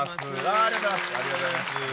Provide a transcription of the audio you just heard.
ありがとうございます。